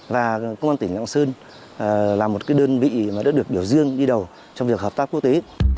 và công an tỉnh lạng sơn là một đơn vị mà đã được biểu dương đi đầu trong việc hợp tác quốc tế